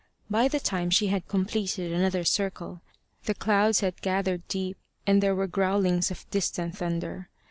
By the time she had completed another circle, the clouds had gathered deep, and there were growlings of distant thunder.